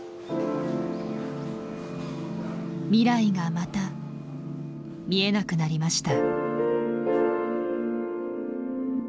未来がまた見えなくなりました。